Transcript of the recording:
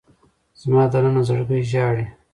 زما دننه زړګی ژاړي